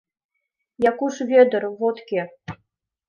— Якуш Вӧдыр, вот кӧ!